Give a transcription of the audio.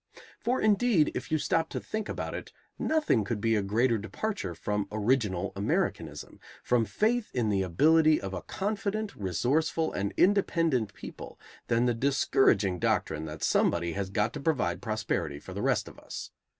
For indeed, if you stop to think about it, nothing could be a greater departure from original Americanism, from faith in the ability of a confident, resourceful, and independent people, than the discouraging doctrine that somebody has got to provide prosperity for the rest of us.